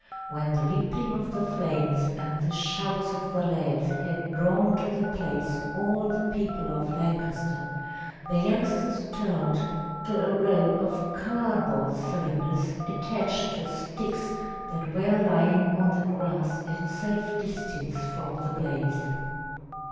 When the leaping of the flames and the shouts of the lads had drawn to the place all the people of Lancaster, the youngsters turned to a row of cardboard cylinders attached to sticks that were lying on the grass at a safe distance from the blaze.